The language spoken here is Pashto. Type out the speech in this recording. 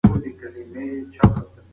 د ناول لوستونکی له کیسې سره یوځای مخکې ځي.